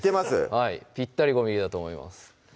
はいぴったり５ｍｍだと思います